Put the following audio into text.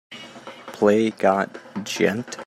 Play Got Djent?